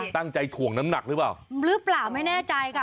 ถ่วงน้ำหนักหรือเปล่าหรือเปล่าไม่แน่ใจค่ะ